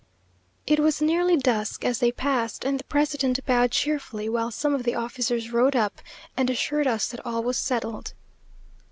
It was nearly dusk as they passed, and the president bowed cheerfully, while some of the officers rode up, and assured us that all was settled.